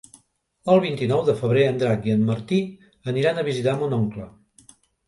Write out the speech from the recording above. El vint-i-nou de febrer en Drac i en Martí aniran a visitar mon oncle.